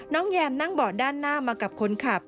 แยมนั่งเบาะด้านหน้ามากับคนขับ